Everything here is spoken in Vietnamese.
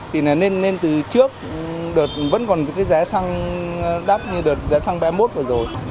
thì là nên từ trước đợt vẫn còn cái giá xăng đắt như đợt giá xăng ba mươi một vừa rồi